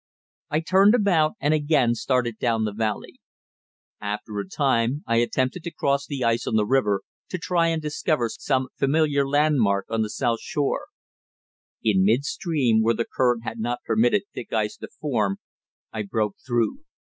I turned about, and again started down the valley. After a time I attempted to cross the ice on the river, to try and discover some familiar landmark on the south shore. In midstream, where the current had not permitted thick ice to form, I broke through.